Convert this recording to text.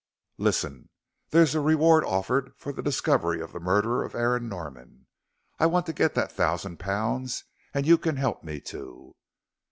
Listen there's a reward offered for the discovery of the murderer of Aaron Norman. I want to get that thousand pounds, and you can help me to."